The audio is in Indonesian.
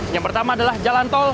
yang pertama adalah jalan tol